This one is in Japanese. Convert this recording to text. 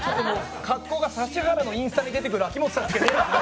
格好が指原のインスタに出てくる秋元さん。